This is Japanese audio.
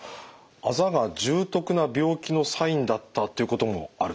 あざが重篤な病気のサインだったっていうこともあると。